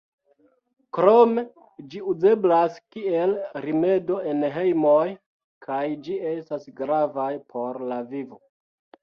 Krome ĝi uzeblas kiel rimedo en hejmoj kaj ĝi estas gravaj por la vivo.